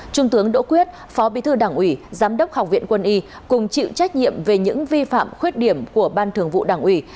trung tướng đỗ quyết phó bí thư đảng ủy giám đốc học viện quân y cùng chịu trách nhiệm về những vi phạm khuyết điểm của ban thường vụ đảng ủy